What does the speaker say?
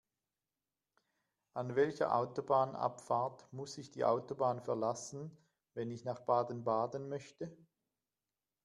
An welcher Autobahnabfahrt muss ich die Autobahn verlassen, wenn ich nach Baden-Baden möchte?